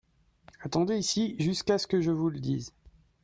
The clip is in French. Attendez ici jusqu'à ce que je vous le dise.